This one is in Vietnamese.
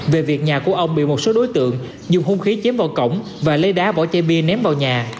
về việc nhà của ông bị một số đối tượng dùng hung khí chém vào cổng và lấy đá bỏ chai bia ném vào nhà